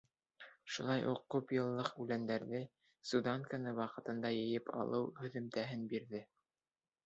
Шулай уҡ күп йыллыҡ үләндәрҙе, суданканы ваҡытында йыйып алыу һөҙөмтәһен бирҙе.